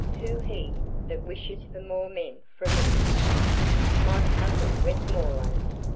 Who's he that wishes for more men from England? My Cousin Westmoreland?